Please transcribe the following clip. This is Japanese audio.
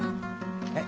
えっ？